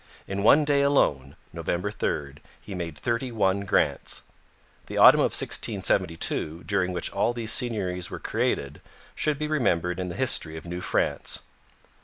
In one day alone (November 3) he made thirty one grants. The autumn of 1672, during which all these seigneuries were created, should be remembered in the history of New France.